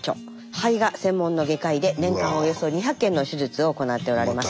肺が専門の外科医で年間およそ２００件の手術を行っておられます。